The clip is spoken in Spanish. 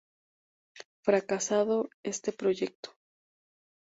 Fracasado este proyecto.